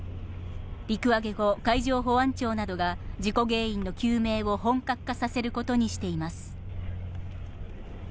陸揚げ後、海上保安庁などが事故原因の究明を本格化させることにしています。